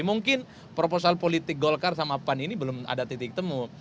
mungkin proposal politik golkar sama pan ini belum ada titik temu